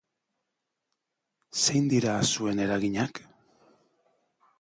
Zein dira zuen eraginak?